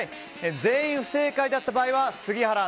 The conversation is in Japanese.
全員不正解だった場合は杉原アナ